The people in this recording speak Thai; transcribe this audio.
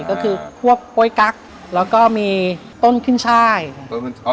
ก็คือพวกโป๊ยกั๊กแล้วก็มีต้นขึ้นช่ายต้นขึ้นช่าย